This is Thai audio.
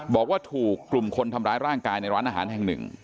บอกว่าถูกกลุ่มคนทำร้ายร่างกายในร้านอาหารแห่งหนึ่ง